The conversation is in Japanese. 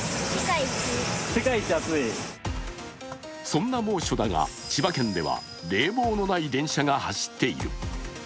そんな猛暑だが、千葉県では冷房のない電車が走っている。